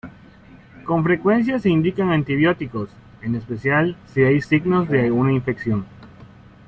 Con frecuencia se indican antibióticos, en especial si hay signos de una infección.